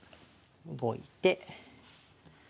動いて。